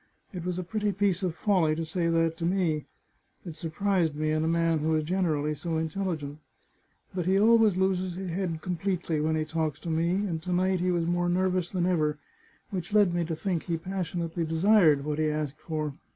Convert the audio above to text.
It was a pretty piece of folly to say that to me. It surprised me in a man who is generally so intelligent. But he always loses his head completely when he talks to me, and to night he was more nervous than ever, which led me to think he passionately desired what he asked for.